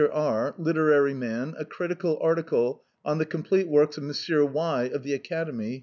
R , literary man, a critical article on the complete works of M. Y , of the Academy.